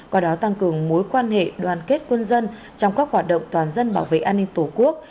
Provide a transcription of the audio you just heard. qua đó tăng cường mối quan hệ đoàn kết quân dân trong các hoạt động toàn dân bảo vệ an ninh tổ quốc